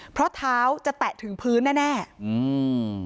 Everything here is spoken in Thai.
เพราะเท้าจะแตะถึงพื้นแน่แน่อืม